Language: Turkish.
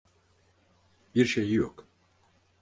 Birşeyi yok.